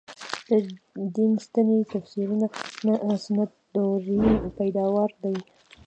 د دین سنتي تفسیرونه سنت دورې پیداوار دي.